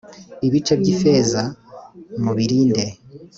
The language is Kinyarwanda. ibice by ‘ifeza mubirinde.